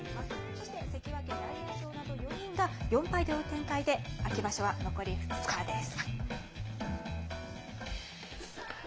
そして、関脇・大栄翔など４人が４敗で追う展開で、秋場所は残り２日です。